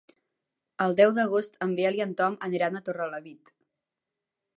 El deu d'agost en Biel i en Tom aniran a Torrelavit.